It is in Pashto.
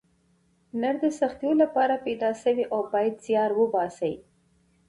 نر د سختیو لپاره پیدا سوی او باید زیار وباسئ.